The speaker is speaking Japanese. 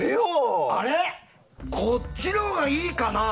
こっちのがいいかな？